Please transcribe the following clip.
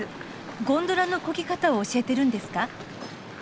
ゴンドラのこぎ方を教えてるんですか？